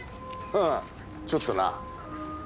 ああちょっとな。